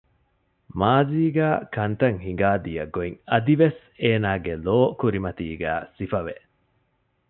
މާޒީގައި ކަންތައް ހިނގާ ދިޔަ ގޮތް އަދިވެސް އޭނާގެ ލޯ ކުރިމަތީގައި ސިފަވެ